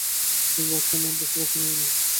তুমি বুঝতে পারছ না কেন?